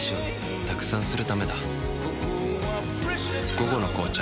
「午後の紅茶」